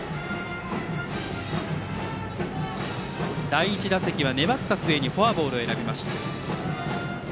第１打席は粘った末にフォアボールを選びました。